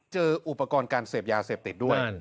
เจออุปกรณ์การเสพยาเสพติดด้วย